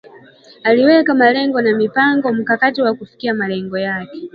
aliweka malengo na mipango mikakati ya kufikia malengo yake